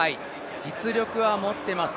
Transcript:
実力は持ってます。